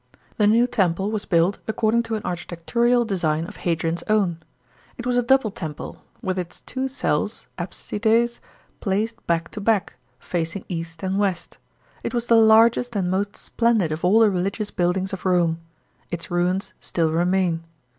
The new temple was built according to an architectural design of Hadrian's own. It was a double temple, with its two cells (apsides') placed back to back, facing east and west. It was the largest and most splendid of all the religious buildings of Rome; its ruins si ill remain.